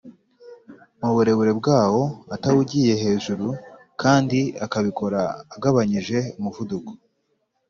muburebure bwawo atawugiye hejuru kdi akabikora agabanyije umuvuduko